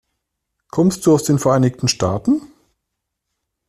Kommst du aus den Vereinigten Staaten?